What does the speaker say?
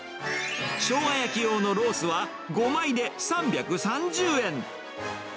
ショウガ焼き用のロースは５枚で３３０円。